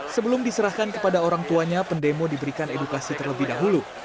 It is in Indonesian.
sebelum diserahkan kepada orang tuanya pendemo diberikan edukasi terlebih dahulu